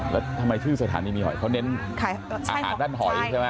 แล้วทำไมชื่อสถานีมีหอยเขาเน้นอาหารด้านหอยใช่ไหม